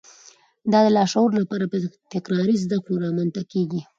دا د لاشعور لپاره په تکراري زده کړو رامنځته کېږي